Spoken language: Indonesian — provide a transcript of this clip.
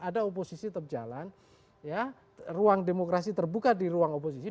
ada oposisi tetap jalan ruang demokrasi terbuka di ruang oposisi